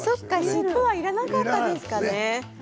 尻尾はいらなかったですかね。